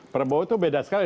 prabowo itu beda sekali